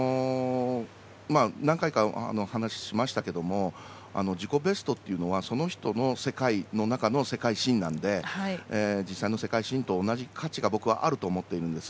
何回か、お話しましたけれども自己ベストというのはその人の中の世界新なので実際の世界新と同じ価値があると僕は思ってるんです。